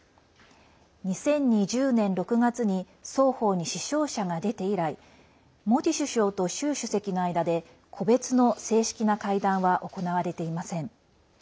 ２０２０年６月に双方に死傷者が出て以来モディ首相と習主席の間で個別の正式な会談は行われていません。